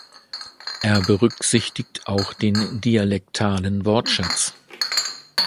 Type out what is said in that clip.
Er berücksichtigt auch den dialektalen Wortschatz.